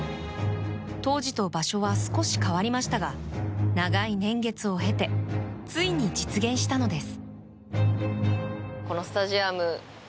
当時と場所は少し変わりましたが長い年月を経てついに実現したのです。